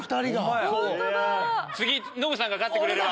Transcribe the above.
次ノブさんが勝ってくれれば。